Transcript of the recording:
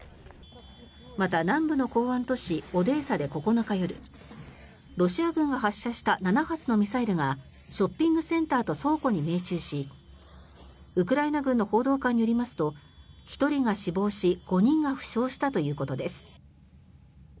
また、南部の港湾都市オデーサで９日夜ロシア軍が発射した７発のミサイルがショッピングセンターと倉庫に命中しウクライナ軍の報道官によりますと１人が死亡し５人が負傷したということです。